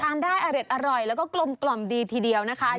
ทานได้อร่อยแล้วก็กลมกล่อมดีทีเดียวนะคะ